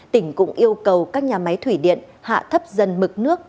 tỉnh cũng yêu cầu các nhà máy thủy điện hạ thấp dần mực nước